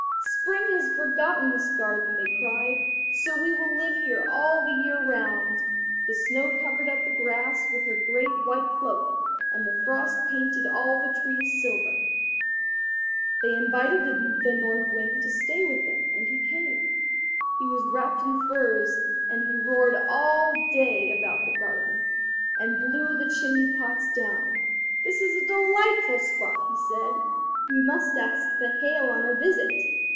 "Spring has forgotten this garden," they cried, "so we will live here all the year round." The Snow covered up the grass with her great white cloak, and the Frost painted all the trees silver. Then they invited the North Wind to stay with them, and he came. He was wrapped in furs, and he roared all day about the garden, and blew the chimney pots down. "This is a delightful spot," he said, "we must ask the Hail on a visit."